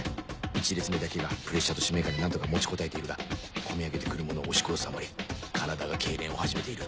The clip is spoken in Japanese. １列目だけがプレッシャーと使命感で何とか持ちこたえているが込み上げて来るものを押し殺すあまり体が痙攣を始めている